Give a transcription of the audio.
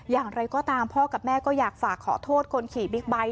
อย่างไรก็ตามพ่อกับแม่ก็อยากฝากขอโทษคนขี่บิ๊กไบท์